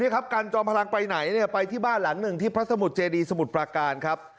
ครับกันจอมพลังไปไหนเนี่ยไปที่บ้านหลังหนึ่งที่พระสมุทรเจดีสมุทรปราการครับ